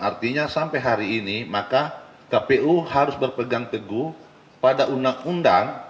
artinya sampai hari ini maka kpu harus berpegang teguh pada undang undang